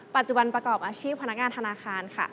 ปัจจุบันประกอบอาชีพพนักงานธนาคารค่ะ